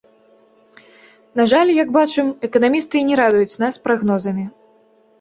На жаль, як бачым, эканамісты не радуюць нас прагнозамі.